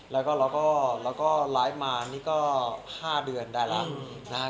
แล้วก็ไลฟ์มานี่ก็๕เดือนได้แล้วนะฮะ